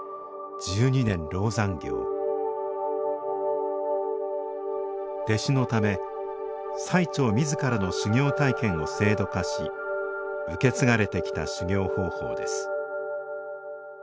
十二年籠山行弟子のため最澄自らの修行体験を制度化し受け継がれてきた修行方法です